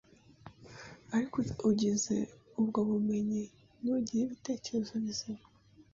ariko ugize ubwo bumenyi ntugire ibitekerezo bizima